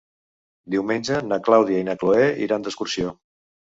Diumenge na Clàudia i na Cloè iran d'excursió.